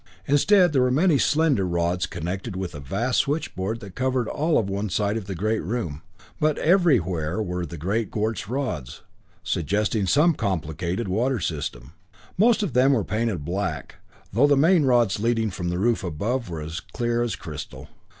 Instead, there were many slender rods connected with a vast switchboard that covered all of one side of the great room. But everywhere were the great quartz rods, suggesting some complicated water system. Most of them were painted black, though the main rods leading from the roof above were as clear as crystal.